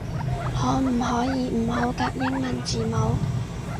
可唔可以唔好夾英文字母